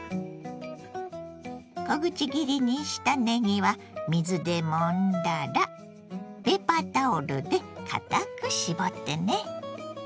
小口切りにしたねぎは水でもんだらペーパータオルで堅く絞ってね。